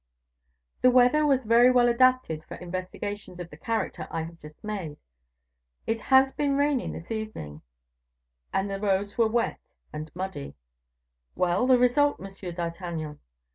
The weather was very well adapted for investigations of the character I have just made; it has been raining this evening, and the roads were wet and muddy " "Well, the result, M. d'Artagnan?"